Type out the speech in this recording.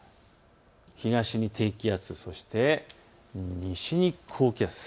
東に低気圧、そして、西に高気圧。